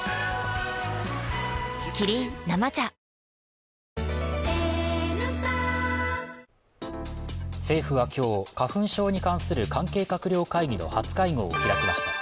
キリン「生茶」政府は今日、花粉症に関する関係閣僚会議の初会合を開きました。